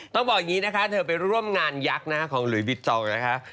ต้องบอกอย่างนี้นะคะเธอไปร่วมงานยักษ์ของหลุยบิจองนะคะ